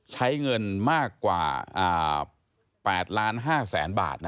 ใช้เงินมากกว่า๘ล้าน๕แสนบาทนะ